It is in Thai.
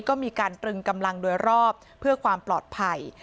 ก็มีการตรึงกำลังโดยรอบเพื่อความปลอดภัย